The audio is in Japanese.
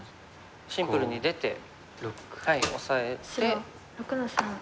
シンプルに出てオサえて。